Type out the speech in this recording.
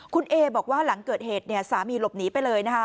คุณเอบอกว่าหลังเกิดเหตุสามีหลบหนีไปเลยนะคะ